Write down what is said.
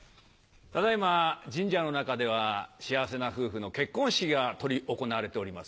ただ今神社の中では幸せな夫婦の結婚式が執り行われております。